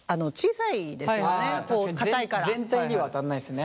全体にはあたんないですね。